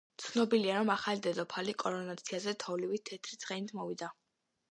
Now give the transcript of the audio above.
ცნობილია, რომ ახალი დედოფალი კორონაციაზე თოვლივით თეთრი ცხენით მივიდა.